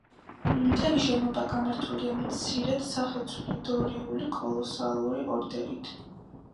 მთელი შენობა გამართულია მცირედ სახეცვლილი დორიული კოლოსალური ორდერით.